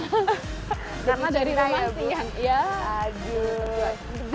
karena dari rumah sih ya bu